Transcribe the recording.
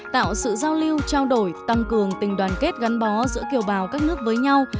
tạo sự giao lưu trao đổi tăng cường tình đoàn kết gắn bó giữa kiều bào các nước với nhau